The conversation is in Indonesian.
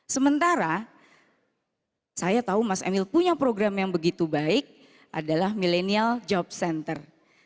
sementara saya tahu mas emil punya program yang begitu baik adalah millennial job center